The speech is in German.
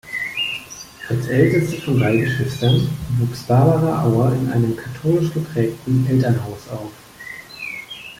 Als Älteste von drei Geschwistern wuchs Barbara Auer in einem katholisch geprägten Elternhaus auf.